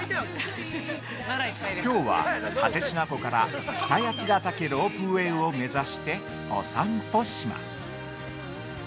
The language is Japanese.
きょうは蓼科湖から北八ヶ岳ロープウェイを目指してお散歩します。